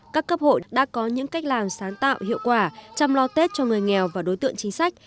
các cấp hội đã có những cách làm sáng tạo hiệu quả chăm lo tết cho người nghèo và đối tượng chính sách